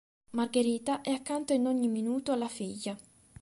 Margherita è accanto in ogni minuto alla figlia.